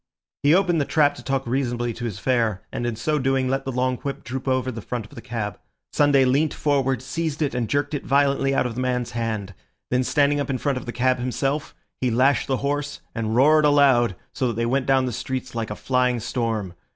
He opened the trap to talk reasonably to his fare, and in so doing let the long whip droop over the front of the cab. Sunday leant forward, seized it, and jerked it violently out of the man's hand. Then standing up in front of the cab himself, he lashed the horse and roared aloud, so that they went down the streets like a flying storm.